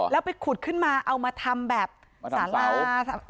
แล้วไปขุดขึ้นมาเอามาทำแบบสารา